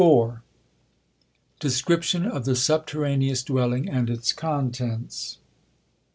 IV. — Description of the subterraneous dwelling and its contents.